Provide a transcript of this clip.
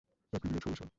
একটা বিরাট সমস্যা।